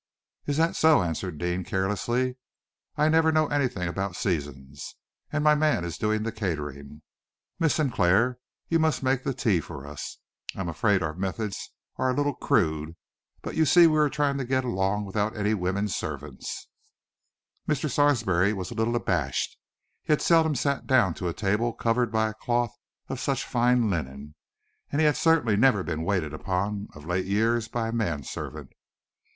"Is that so?" answered Deane, carelessly. "I never know anything about seasons, and my man is doing the catering. Miss Sinclair, you must make the tea for us. I am afraid our methods are a little crude, but you see we are trying to get along without any women servants." Mr. Sarsby was a little abashed. He had seldom sat down to a table covered by a cloth of such fine linen, and he had certainly never been waited upon, of late years, by a man servant.